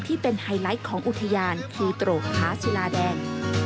ที่เป็นไฮไลท์ของอุทยานคีโตรค้าชิลาแดง